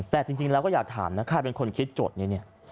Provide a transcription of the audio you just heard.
แต่จริงแล้วก็อยากถามนะใครเป็นคนคิดจดนี้